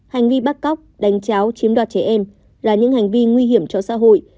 hành vi bắt cóc đánh cháo chiếm đoạt trẻ em là những hành vi nguy hiểm cho xã hội